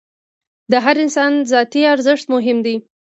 د هر انسان ذاتي ارزښت مهم دی.